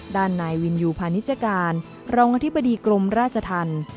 ด้านนายวินยูพาณิชการรองอธิบดีกรมราชธรรม